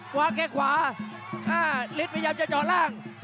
ขวาแค่ขวาลิสต์พยายามจะเจาะล่าง